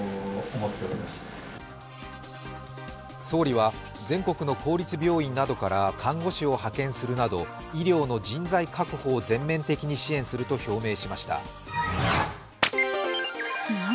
総理は全国の公立病院などから看護師を派遣するなど医療の人材確保を全面的に支援すると表明しました。